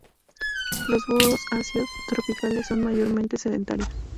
Los búhos "Asio" tropicales son mayormente sedentarios.